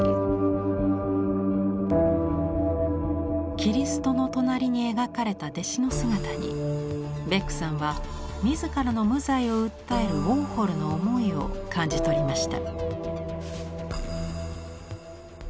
キリストの隣に描かれた弟子の姿にベックさんは自らの無罪を訴えるウォーホルの思いを感じ取りました。